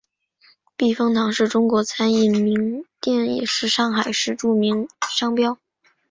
避风塘是中华餐饮名店也是上海市著名商标。